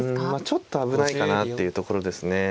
ちょっと危ないかなっていうところですね。